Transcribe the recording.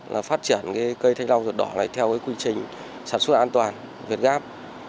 là phát triển cây thanh long ruột đỏ này theo quy trình sản xuất an toàn việt nam